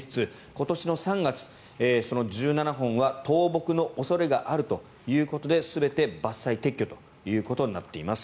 今年の３月、その１７本は倒木の恐れがあるということで全て、伐採・撤去ということになっています。